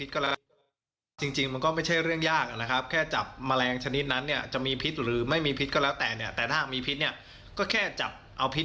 ของผมคือการกระทำแบบนี้มันคือการหลอกหลวง